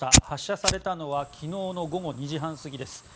発射されたのは昨日の午後２時半過ぎです。